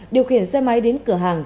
điều khiển xe máy đến cửa hàng